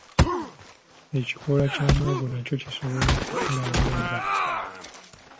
Ekikola kya muwogo nakyo kisobola okukoa nga enva.